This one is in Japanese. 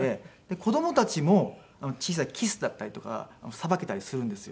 子供たちも小さいキスだったりとかさばけたりするんですよ。